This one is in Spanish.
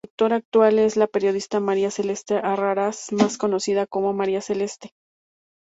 Su conductora actual es la periodista María Celeste Arrarás, más conocida como María Celeste.